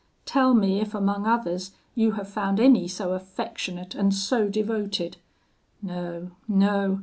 Tell me if among others you have found any so affectionate and so devoted? No, no!